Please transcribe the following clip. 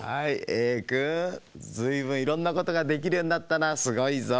Ａくんずいぶんいろんなことができるようになったなすごいぞ。